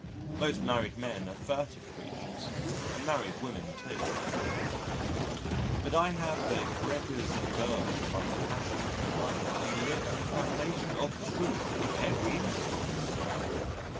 Most married men are furtive creatures, and married women too. But I have a Gregers Werle like passion for life to be lived on a foundation of truth in every intercourse.